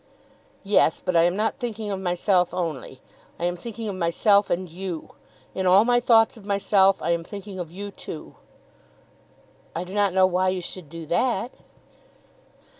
"Yes; but I am not thinking of myself only. I am thinking of myself, and you. In all my thoughts of myself I am thinking of you too." "I do not know why you should do that."